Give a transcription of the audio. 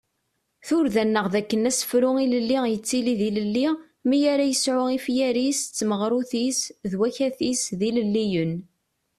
Turda-nneɣ d akken asefru ilelli yettili d ilelli mi ara ad yesɛu ifyar-is d tmaɣrut-is d wakat-is d ilelliyen.